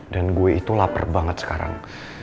dan gue itu lapar banget sekarang